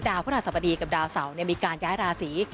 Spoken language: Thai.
ดาวพระรหัสสมดีกับดาวเสามีการย้ายราศรี